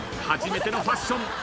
初めてのファッション。